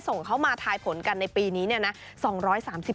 ส่งเข้ามาทายผลกันในปีนี้